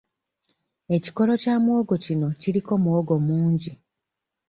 Ekikolo kya muwogo kino kiriko muwogo mungi.